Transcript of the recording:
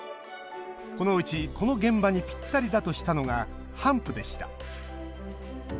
このうち、この現場にぴったりだとしたのがハンプでした。